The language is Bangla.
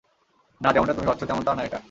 না, যেমনটা তুমি ভাবছো তেমনটা না এটা।